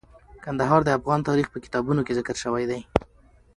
کندهار د افغان تاریخ په کتابونو کې ذکر شوی دی.